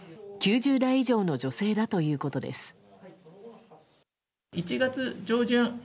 ９０代以上の女性だということです。